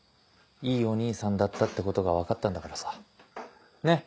いいお兄さんだったってことが分かったんだからさねっ。